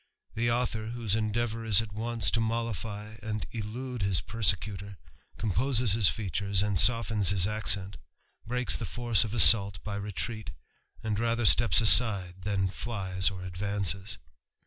The author, whose endeavour is at once to and elude his persecutor, composes his features and his accent, breaks the force of assault by retreat, ;her steps aside than flies or advances.